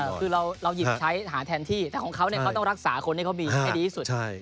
คือเราหยิบใช้หาแทนที่แต่ของเขาเนี่ยเขาต้องรักษาคนให้เขามีให้ดีที่สุด